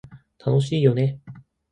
楽しいよね